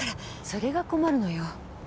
それが困るのよ。